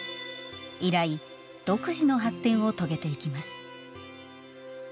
以来、独自の発展を遂げていきます。